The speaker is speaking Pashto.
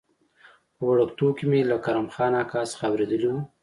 په وړکتوب کې مې له کرم خان اکا څخه اورېدلي و.